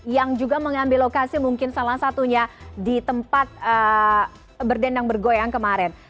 yang juga mengambil lokasi mungkin salah satunya di tempat berdendang bergoyang kemarin